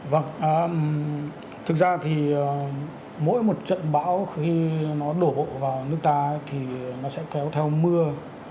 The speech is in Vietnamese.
vâng thực ra thì mỗi một trận bão khi nó đổ bộ vào nước ta thì nó sẽ kéo theo mưa